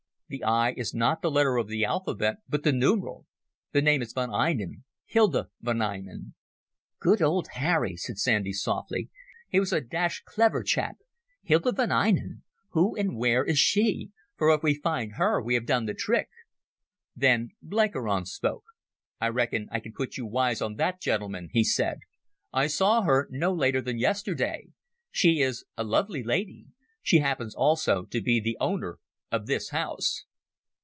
"The 'I' is not the letter of the alphabet, but the numeral. The name is Von Einem—Hilda von Einem." "Good old Harry," said Sandy softly. "He was a dashed clever chap. Hilda von Einem? Who and where is she? for if we find her we have done the trick." Then Blenkiron spoke. "I reckon I can put you wise on that, gentlemen," he said. "I saw her no later than yesterday. She is a lovely lady. She happens also to be the owner of this house."